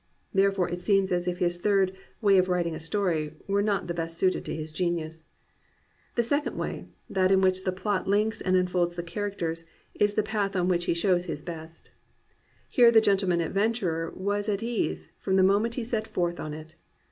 Therefore it seems as if his third "way of writing a story" were not the best suited to his genius. The second way, — ^that in which the plot links and imfolds the characters, — is the path on which he shows at his best. Here the gentleman adventurer was at ease from the moment he set forth on it.